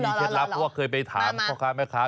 เคล็ดลับเพราะว่าเคยไปถามพ่อค้าแม่ค้า